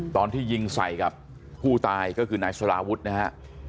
ตอนที่ยิงใส่กับผู้ตายก็คือนายสลาวุฒินะฮะ